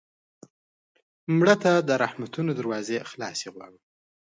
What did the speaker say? مړه ته د رحمتونو دروازې خلاصې غواړو